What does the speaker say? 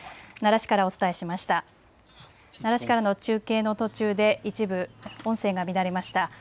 奈良市からの中継の途中で一部音声が乱れました。